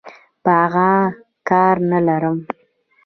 په اغه کار نلرم.